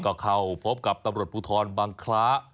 ก็เข้าพบกับตำรวจภูทรบังคล้า